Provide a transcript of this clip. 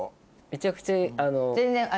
めちゃくちゃ。